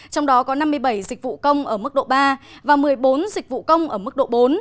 trong đó có năm mươi bảy dịch vụ công ở mức độ ba và một mươi bốn dịch vụ công ở mức độ bốn